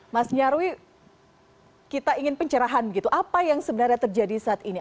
mas nyarwi kita ingin pencerahan gitu apa yang sebenarnya terjadi saat ini